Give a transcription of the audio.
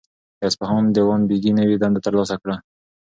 د اصفهان دیوان بیګي نوی دنده ترلاسه کړه.